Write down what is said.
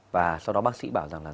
và sau đó bác sĩ bảo rằng là